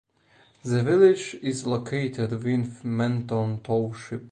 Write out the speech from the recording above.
The village is located within Mendon Township.